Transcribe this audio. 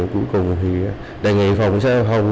cuối cùng thì đề nghị phòng xe giao thông